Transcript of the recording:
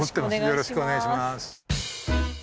よろしくお願いします。